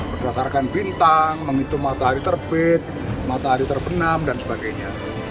berdasarkan bintang menghitung matahari terbit matahari terbenam dan sebagainya